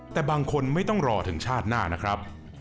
แต่บางคนไม่ต้องรอถึงชาติหน้านะครับ